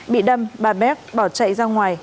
bị đâm bà bac bỏ chạy ra ngoài